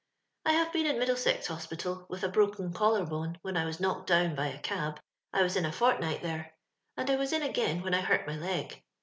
I have been in Middlesex Hospital, with a broken collar bone, when I was knocked down by a cab. I was in a fortnight there, and I ^as in again when I hurt my leg.